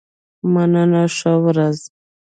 مننه ښه ورځ.